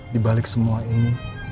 di balik semua ini